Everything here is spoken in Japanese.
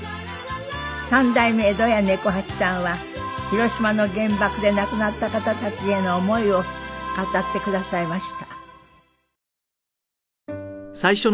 三代目江戸家猫八さんは広島の原爆で亡くなった方たちへの思いを語ってくださいました。